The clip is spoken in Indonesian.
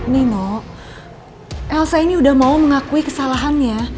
nino elsa ini udah mau mengakui kesalahannya